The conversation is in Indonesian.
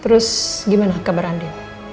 terus gimana kabar andi